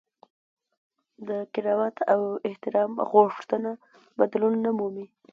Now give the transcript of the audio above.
د کرامت او احترام غوښتنه بدلون نه مومي.